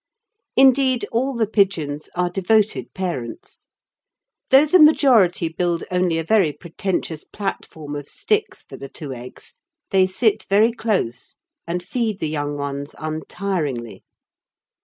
Indeed, all the pigeons are devoted parents. Though the majority build only a very pretentious platform of sticks for the two eggs, they sit very close and feed the young ones untiringly.